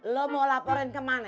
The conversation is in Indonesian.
lo mau laporin ke mana